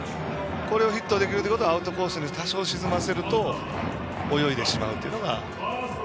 これをヒットできるとアウトコースに多少沈ませると泳いでしまうのが。